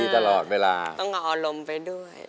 ตลอดเวลาต้องก่อนลมไปด้วย